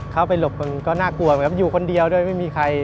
เข้าไปหลบมันก็น่ากลัวไหมครับอยู่คนเดียวด้วยไม่มีใคร